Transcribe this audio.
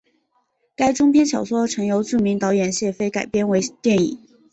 该中篇小说曾由著名导演谢飞改编为电影。